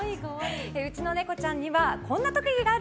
うちのネコちゃんにはこんな特技がある！